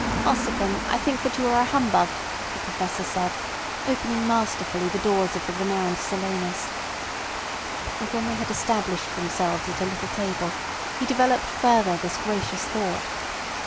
"Ossipon, I think that you are a humbug," the Professor said, opening masterfully the doors of the renowned Silenus. And when they had established themselves at a little table he developed further this gracious thought.